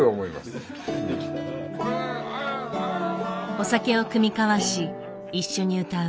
お酒を酌み交わし一緒に歌う。